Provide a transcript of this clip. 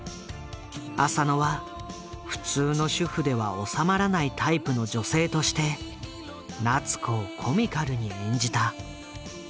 浅野は普通の主婦では収まらないタイプの女性として夏子をコミカルに演じた。